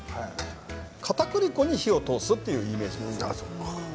かたくり粉に火を通すというイメージです。